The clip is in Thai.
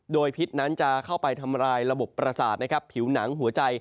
โดยพิษนั้นจะเข้าไปทำลายระบบประสาทผิวหนังหัวใจ